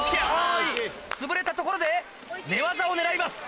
つぶれたところで寝技を狙います。